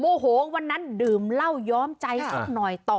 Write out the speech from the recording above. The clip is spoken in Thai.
โหวันนั้นดื่มเหล้าย้อมใจสักหน่อยต่อ